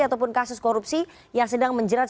ataupun kasus korupsi yang sedang menjerat